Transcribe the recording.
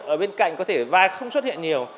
ở bên cạnh có thể vai không xuất hiện nhiều